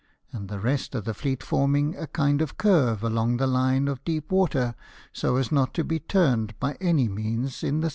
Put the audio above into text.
and the rest of the fleet forming a kind of curve along the line of deep water so as not to be turned by any means in the S.